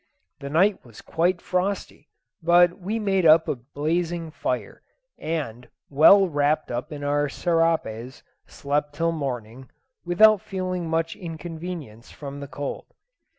The night was quite frosty, but we made up a blazing fire, and, well wrapped up in our serapes, slept till morning, without feeling much inconvenience from the cold.